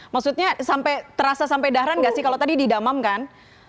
maksudnya sampai terasa sampai dahran nggak sih kalau tadi didamam kan